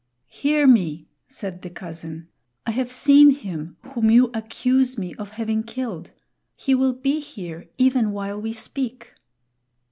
"Hear me," said the cousin. "I have seen him whom you accuse me of having killed. He will be here even while we speak."